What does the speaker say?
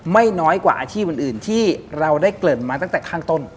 ไม่น้อยกว่าอาชีพอื่นที่เราได้เกริ่นมาตั้งแต่ข้างต้น